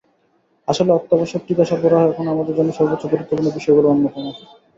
আসলে অত্যাবশ্যক টিকা সরবরাহ এখনো আমাদের জন্য সর্বোচ্চ গুরুত্বপূর্ণ বিষয়গুলোর অন্যতম।